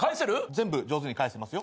全部上手に返せますよ。